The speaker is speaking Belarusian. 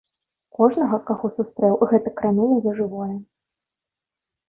Кожнага, каго сустрэў, гэта кранула за жывое.